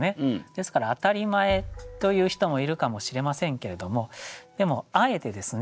ですから当たり前と言う人もいるかもしれませんけれどもでもあえてですね